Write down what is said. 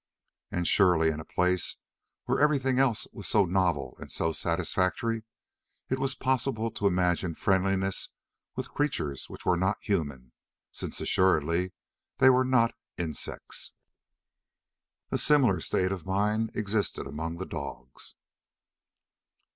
And surely in a place where everything else was so novel and so satisfactory, it was possible to imagine friendliness with creatures which were not human, since assuredly they were not insects. A similar state of mind existed among the dogs.